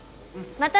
また。